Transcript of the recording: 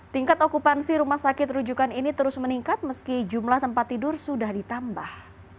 tingkat okupansi rumah sakit rujukan ini terus meningkat meski jumlah tempat tidur sudah ditambah